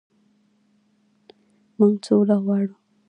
موږ سوله غواړو